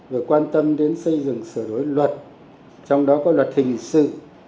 vừa quan tâm đến xây dựng sửa đổi luật trong đó có luật hình sự